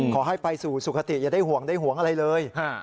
ขอให้ไปสู่สุขติอย่าได้ห่วงได้ห่วงอะไรเลย